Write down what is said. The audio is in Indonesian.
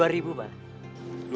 rp dua pak